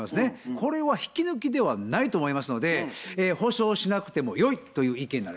これは引き抜きではないと思いますので補償しなくてもよいという意見になりますね。